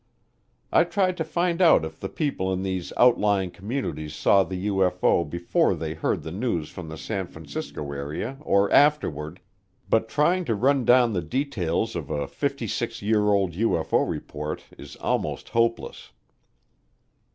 I tried to find out if the people in these outlying communities saw the UFO before they heard the news from the San Francisco area or afterward, but trying to run down the details of a fifty six year old UFO report is almost hopeless.